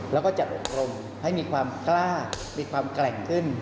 แล้วก็จัดอบรมให้มีความกล้ามีความแกร่งขึ้น